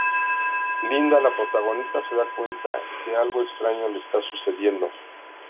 Linda, la protagonista, se da cuenta de que algo extraño le está sucediendo.